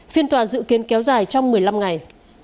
phiên tòa dự kiến kéo dài trong một mươi năm ngày